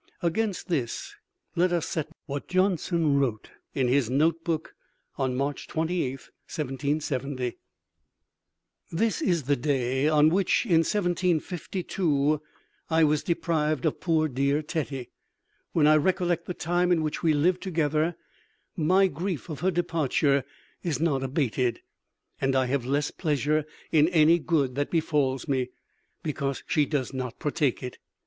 Against this let us set what Johnson wrote in his notebook on March 28, 1770: This is the day on which, in 1752, I was deprived of poor dear Tetty. When I recollect the time in which we lived together, my grief of her departure is not abated; and I have less pleasure in any good that befalls me, because she does not partake it.